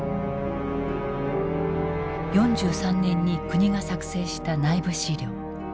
４３年に国が作成した内部資料。